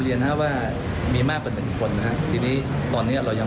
เปรียบเทียบข้อพุทธปืนนะครับ